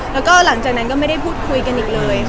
แล้วก็หลังจากนั้นก็ไม่ได้พูดคุยกันอีกเลยค่ะ